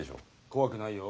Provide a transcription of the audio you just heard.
怖くないよ。